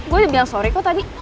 gue udah bilang sorry kok tadi